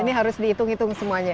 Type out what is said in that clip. ini harus dihitung hitung semuanya